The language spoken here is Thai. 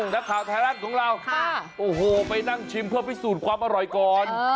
นักข่าวไทยรัฐของเราโอ้โหไปนั่งชิมเพื่อพิสูจน์ความอร่อยก่อน